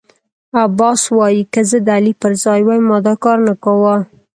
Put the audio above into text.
عباس وايی که زه د علي پر ځای وای ما دا کارنه کاوه.